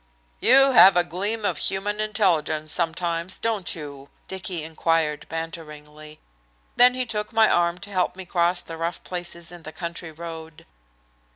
"You have a gleam of human intelligence, sometimes, don't you?" Dicky inquired banteringly. Then he took my arm to help me across the rough places in the country road.